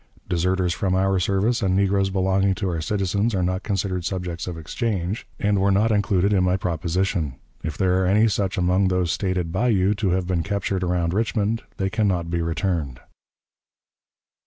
Deserters from our service and negroes belonging to our citizens are not considered subjects of exchange, and were not included in my proposition. If there are any such among those stated by you to have been captured around Richmond, they can not be returned."